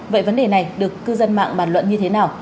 vậy vấn đề này được cư dân mạng bàn luận như thế nào